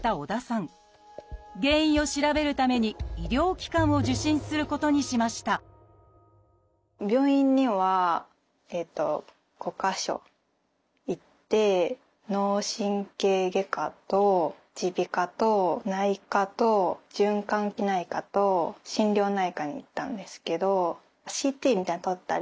原因を調べるために医療機関を受診することにしました脳神経外科と耳鼻科と内科と循環器内科と心療内科に行ったんですけど。